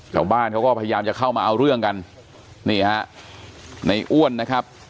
ชาวบ้านเขาก็พยายามจะเข้ามาเอาเรื่องกันนี่ฮะในอ้วนนะครับ